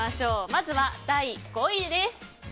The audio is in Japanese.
まずは、第５位です。